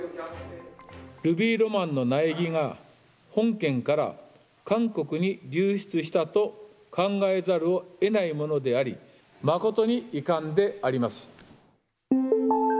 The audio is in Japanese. ルビーロマンの苗木が、本県から韓国に流出したと考えざるをえないものであり、誠に遺憾であります。